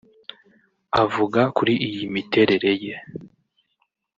Avuga kuri iyi miterere ye